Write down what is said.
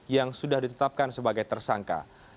yang sudah ditetapkan sebagai tersangka